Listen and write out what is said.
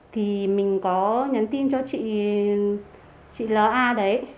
thì mình có nhắn tin cho chị chị l a đấy